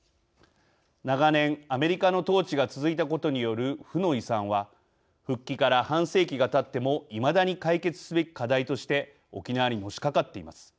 長年、アメリカの統治が続いたことによる負の遺産は復帰から半世紀がたってもいまだに解決すべき課題として沖縄にのしかかっています。